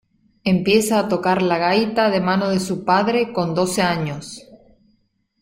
Empieza a tocar la gaita de mano de su padre con doce años.